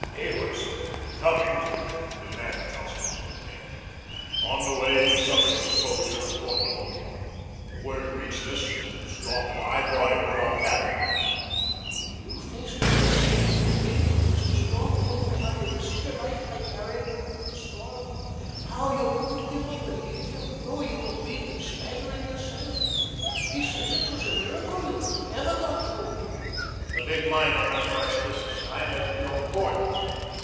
"He was coming to demand justice of me. On the way he suffered exposure and caught pneumonia. The word reached us, and Strong and I brought him to our cabin." "You faced a blizzard to bring him in. Mr. Strong told me how you risked your life by carrying him through the storm how you wouldn't give up and leave him, though you were weak and staggering yourself. He says it was a miracle you ever got through." The big mine owner brushed this aside as of no importance.